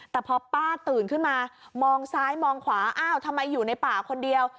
แต่พอป้าตื่นขึ้นมามองซ้ายมองขวาอ้าวทำไมอยู่ในป่าคนเดียว